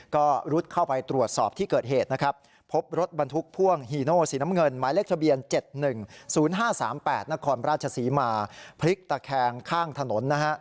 ก็รุดเข้าไปตรวจสอบที่เกิดเหตุนะครับพบรถบรรทุกพ่วงฮีโน่สีน้ำเงินหมายเลขทะเบียน๗๑๐๕๓๘นครราชศรีมาพลิกตะแคงข้างถนนนะฮะ